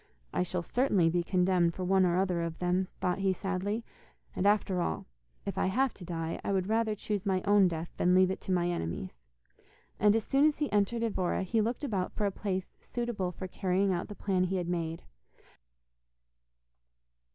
'I shall certainly be condemned for one or other of them,' thought he sadly; 'and after all, if I have to die, I would rather choose my own death than leave it to my enemies,' and as soon as he entered Evora he looked about for a place suitable for carrying out the plan he had made.